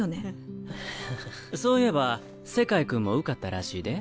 そういえばセカイ君も受かったらしいで。